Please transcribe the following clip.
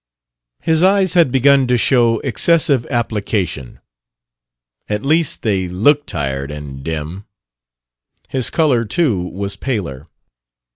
His eyes had begun to show excessive application; at least they looked tired and dim. His color, too, was paler.